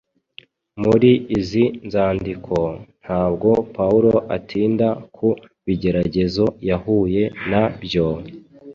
Muri izi nzandiko, ntabwo Pawulo atinda ku bigeragezo yahuye na byo,